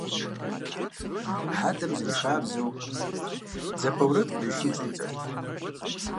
Адэм, зэрихабзэу, дзапэ уэрэд къришын щIидзэрт.